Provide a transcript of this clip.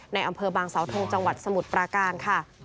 ในอำเภอบางสาวทงจังหวัดสมุทรปราการค่ะ